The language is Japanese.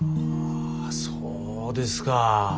そうですか。